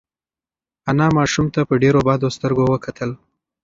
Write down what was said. انا ماشوم ته په ډېرو بدو سترګو وکتل.